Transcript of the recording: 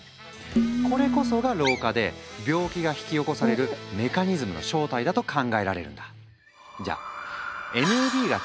これこそが老化で病気が引き起こされるメカニズムの正体だと考えられるんだ。